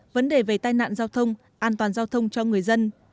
vấn đề về tai nạn giao thông an toàn giao thông cho người dân